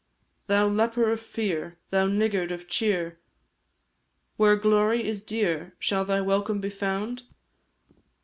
Thou leper of fear thou niggard of cheer Where glory is dear, shall thy welcome be found?